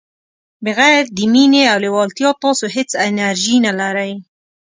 بغير د مینې او لیوالتیا تاسو هیڅ انرژي نه لرئ.